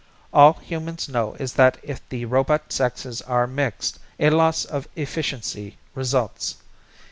All humans know is that if the robot sexes are mixed a loss of efficiency results.